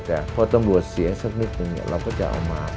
แต่พอตำรวจเสียสักนิดนึงเราก็จะเอามา